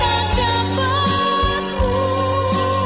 oh kasih allah yang limpah